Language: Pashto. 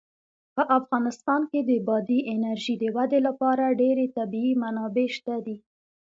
په افغانستان کې د بادي انرژي د ودې لپاره ډېرې طبیعي منابع شته دي.